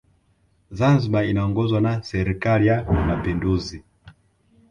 zanzibar inaongozwa na serikali ya mapinduzi